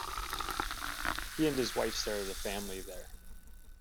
He and his wife started a family there.